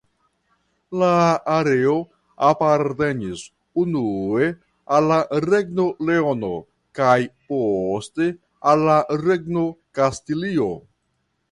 La areo apartenis unue al la Regno Leono kaj poste al la Regno Kastilio.